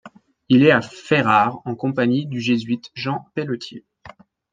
Il est à Ferrare en compagnie du jésuite Jean Pelletier.